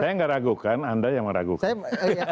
saya nggak ragukan anda yang meragukan